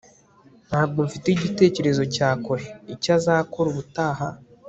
ntabwo mfite igitekerezo cya kure icyo azakora ubutaha